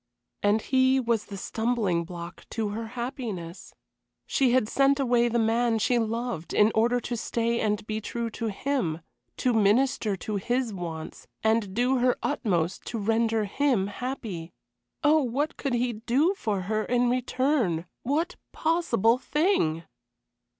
And he was the stumbling block to her happiness. She had sent away the man she loved in order to stay and be true to him, to minister to his wants, and do her utmost to render him happy. Oh, what could he do for her in return? What possible thing?